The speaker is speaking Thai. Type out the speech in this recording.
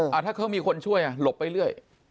ถ้าเขามีคนช่วยอ่ะหลบไปเรื่อย